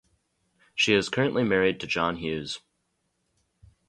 She is currently married to John Hughes.